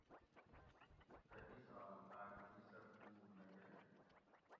تھہ ایسال آک دی سہ پُور نہ کریں